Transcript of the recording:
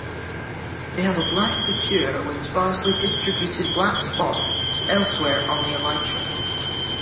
They have a black suture with sparsely distributed black spots elsewhere on the elytra.